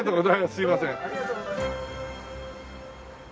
すいません。